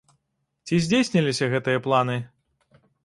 Ці здзейсніліся гэтыя планы?